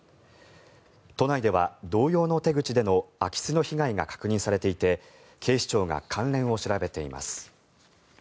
都内では同様の手口での空き巣の被害が確認されていて警視庁が関連を調べています。